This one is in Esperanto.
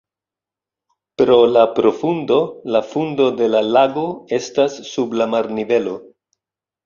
Pro la profundo la fundo de la lago estas sub la marnivelo.